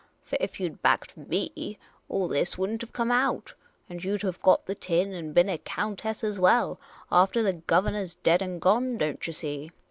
For if you 'd backed me, all this would n't have come out ; you 'd have got the tin and been a countess as well, aftah the governah 's dead and gone, don't yah see.